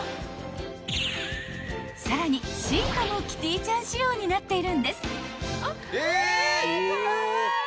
［さらにシートもキティちゃん仕様になっているんです］